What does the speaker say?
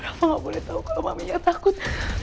rafa gak boleh tahu kalau mami yang takut